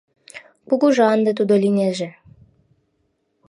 Кугыжа ынде тудо лийнеже».